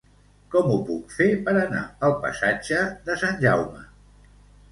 Com ho puc fer per anar al passatge de Sant Jaume?